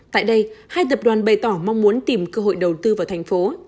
tại đây hai tập đoàn bày tỏ mong muốn tìm cơ hội đầu tư vào thành phố